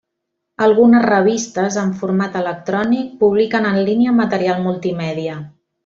Algunes revistes, en format electrònic, publiquen en línia material multimèdia.